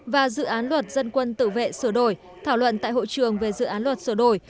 và dự án luật dân quân tự vệ sửa đổi thảo luận tại hội trường về dự án luật sửa đổi